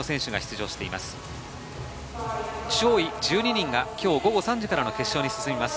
上位１２人が今日午後３時からの決勝に進みます。